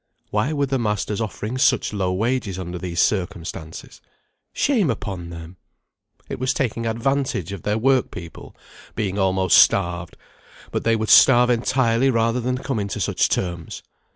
Why were the masters offering such low wages under these circumstances? Shame upon them! It was taking advantage of their work people being almost starved; but they would starve entirely rather than come into such terms.